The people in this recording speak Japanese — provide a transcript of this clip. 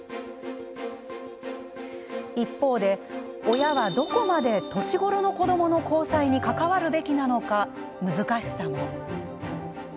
一方で親はどこまで年頃の子どもの交際に関わるべきなのか難しさも。